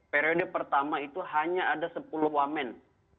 periode pertama itu hanya ada sepuluh wamen